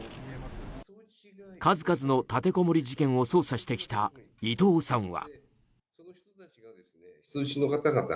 数々の立てこもり事件を捜査してきた伊藤さんは。